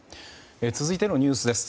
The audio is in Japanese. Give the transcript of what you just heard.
続いてのニュースです。